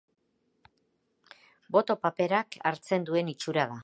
Boto paperak hartzen duen itxura da.